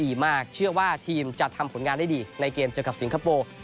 ดีมากเชื่อว่าทีมจะทำผลงานได้ดีในเกมเจอกับสิงคโปร์